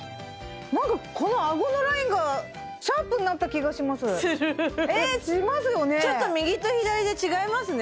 なんかこの顎のラインがシャープになった気がしますするえしますよね